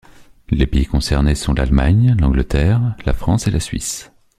Les pays concernés sont l'Allemagne, l'Angleterre, la France et la Suisse.